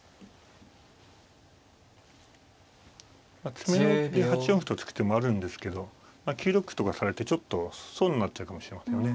詰めろで８四歩と突く手もあるんですけど９六歩とかされてちょっと損になっちゃうかもしれませんよね。